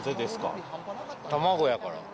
卵やから。